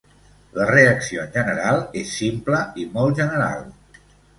La reacció en general és simple i molt general.